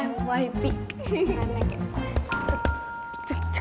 aduh kayak cek